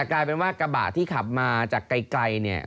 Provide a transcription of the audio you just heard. กลายเป็นว่ากระบะที่ขับมาจากไกลเนี่ย